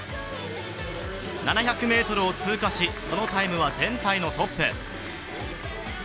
７００ｍを通過し、そのタイムは全体のトップ。